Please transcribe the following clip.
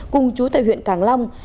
cùng chú tại huyện càng long